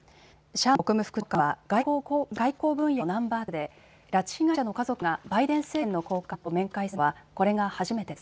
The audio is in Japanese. シャーマン国務副長官は外交分野のナンバー２で拉致被害者の家族がバイデン政権の高官と面会するのはこれが初めてです。